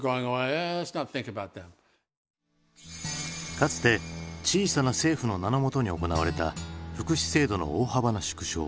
かつて小さな政府の名のもとに行われた福祉制度の大幅な縮小。